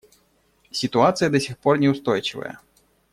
Ситуация до сих пор неустойчивая.